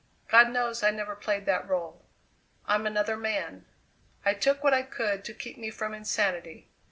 God knows I never played that rôle. I'm another man. I took what I could to keep me from insanity.